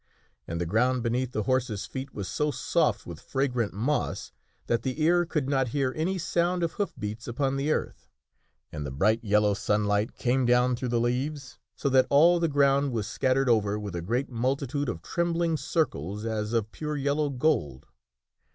And the ground beneath the horses* feet was so soft with fragrant moss that the ear could not hear any sound of hoof beats upon the earth. And the bright yellow sunlight came down through the leaves so that all the ground was scattered How King over with a great multitude of trembling circles as of pure Arthur rode '., r .., through the for' yellow gold.